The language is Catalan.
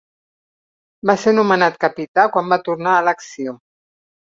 Va ser nomenat capità quan va tornar a l'acció.